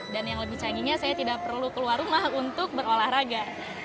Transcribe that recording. dan yang lebih canggihnya saya tidak perlu keluar rumah untuk berolahraga